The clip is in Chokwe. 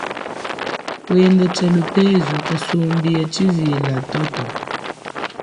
Kwenda tshalupezu kasumbi ya tshivila toto.